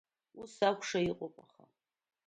Ус акәушәа иҟоуп, аха…